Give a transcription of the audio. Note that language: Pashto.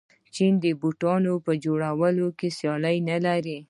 چین د بوټانو په جوړولو کې سیال نلري.